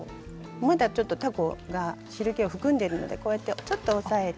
まだちょっとたこが汁けを含んでいるので、こうやって押さえて。